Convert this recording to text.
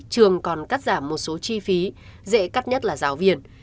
trường còn cắt giảm một số chi phí dễ cắt nhất là giáo viên